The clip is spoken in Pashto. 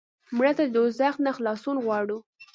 مړه ته د دوزخ نه خلاصون غواړو